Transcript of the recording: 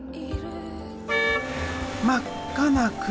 真っ赤な車！